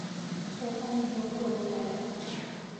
تفنگ را پر کردن